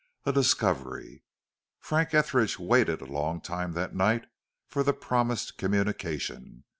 A DISCOVERY. Frank Etheridge waited a long time that night for the promised communication.